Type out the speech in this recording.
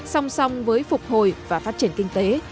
song song với phục hồi và phát triển kinh tế